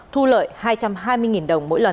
thu lợi hai trăm hai mươi đồng mỗi lần